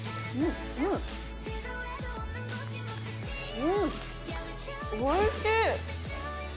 うん、おいしい！